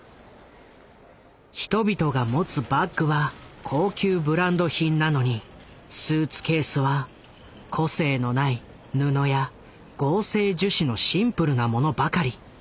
人々が持つバッグは高級ブランド品なのにスーツケースは個性のない布や合成樹脂のシンプルなものばかり。